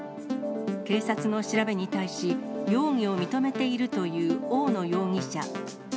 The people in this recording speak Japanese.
警察の調べに対し、容疑を認めているという大野容疑者。